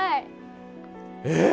えっ？